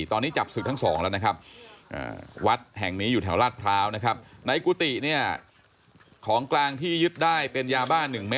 ตอนนี้จับศึกทั้งสองแล้วนะครับ